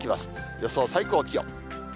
予想最高気温。